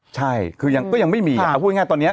ใช่คือยังไม่มี